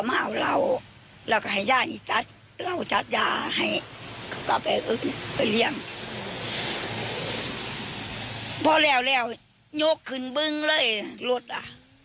พอแล้วยกขึ้นบึงเลยรถอ่ะ